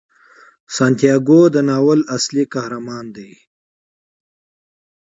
سانتیاګو د ناول اصلي قهرمان دی.